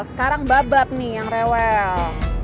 sekarang babak nih yang rewel